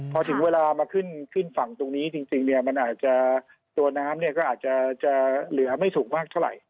พอถึงเวลามาขึ้นฝั่งตรงนี้จริงเนี่ยมันอาจจะตัวน้ำเนี่ยก็อาจจะเหลือไม่สูงมากเท่าไหร่